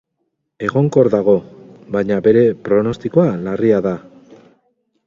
Egonkor dago, baina bere pronostikoa larria da.